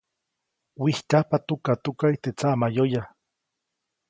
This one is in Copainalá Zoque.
Wijtyajpa tukatukaʼy teʼ tsaʼmayoya.